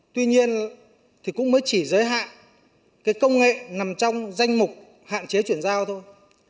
tuy nhiên thì cũng mới chỉ giới hạn cái công nghệ nằm trong danh mục hạn chế chuyển giao thôi